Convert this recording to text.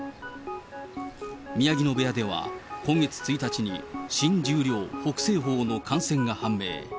宮城野部屋では今月１日に、新十両・北青鵬の感染が判明。